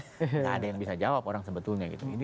tidak ada yang bisa jawab orang sebetulnya gitu